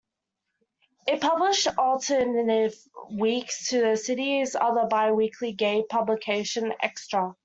It published alternate weeks to the city's other biweekly gay publication, "Xtra!".